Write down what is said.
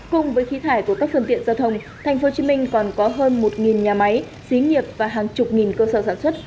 cùng với khí thải của các phương tiện giao thông tp hcm còn có hơn một nhà máy xí nghiệp và hàng chục nghìn cơ sở sản xuất